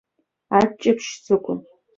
Аччаԥшь сҿықәын.